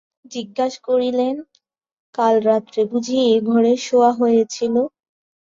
জিজ্ঞাসা করিলেন, কাল রাত্রে বুঝি এই ঘরেই শোওয়া হইয়াছিল?